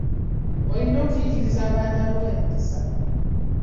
Olina okuyigiriza abaana bo empisa.